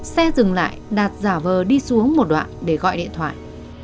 xe dừng lại đạt giả vờ đi xuống một đoạn để gọi điện thoại